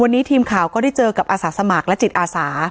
วันนี้ทีมข่าวก็ได้เจอกับอาสาสมัครและจิตอาสา